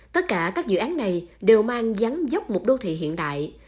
tất cả các dự án này đều mang dắn dốc một đô thị hiện đại